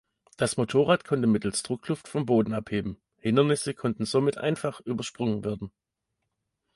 Das Motorrad konnte mittels Druckluft vom Boden abheben, Hindernisse konnten somit einfach übersprungen werden.